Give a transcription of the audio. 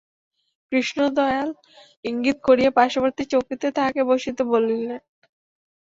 কৃষ্ণদয়াল ইঙ্গিত করিয়া পার্শ্ববর্তী চৌকিতে তাহাকে বসিতে বলিলেন।